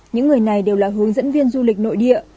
những người này đều là hướng dẫn viên du lịch nội địa